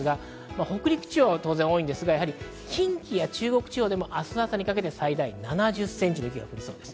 北陸地方は当然多いですが、近畿や中国地方でも明日朝にかけて最大７０センチの雪が降りそうです。